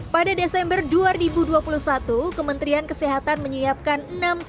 pada desember dua ribu dua puluh satu kementerian kesehatan menyiapkan